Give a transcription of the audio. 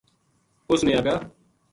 اس نے اَگا